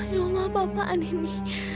ya allah apa apaan ini